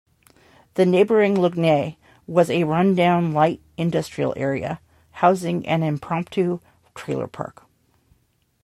The neighbouring Lugnet was a run-down light industrial area, housing an impromptu trailer park.